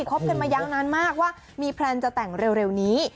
คบกันมายาวนานมากว่ามีแพลนจะแต่งเร็วนี้